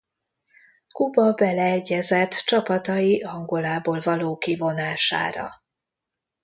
Kuba beleegyezett csapatai Angolából való kivonására.